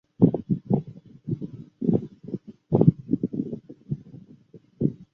他于当年彻底征服了拉希德家族的杰拜勒舍迈尔酋长国。